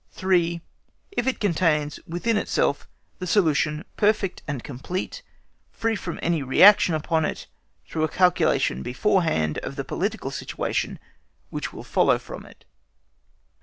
(3) If it contains within itself the solution perfect and complete, free from any reaction upon it, through a calculation beforehand of the political situation which will follow from it.